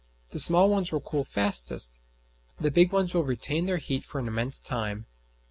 The small ones will cool fastest; the big ones will retain their heat for an immense time.